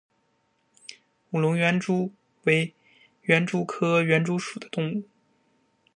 武隆园蛛为园蛛科园蛛属的动物。